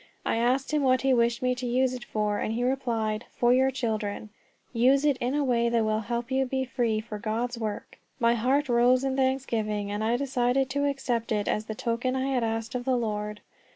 I asked him what he wished me to use it for, and he replied, "For your children. Use it in a way that will help you to be free for God's work." My heart rose in thanksgiving, and I decided to accept it as the token I had asked of the Lord.